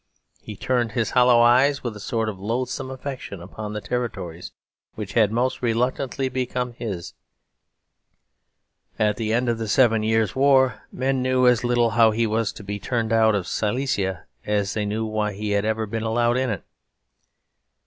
He turned his hollow eyes with a sort of loathsome affection upon the territories which had most reluctantly become his: at the end of the Seven Years' War men knew as little how he was to be turned out of Silesia as they knew why he had ever been allowed in it.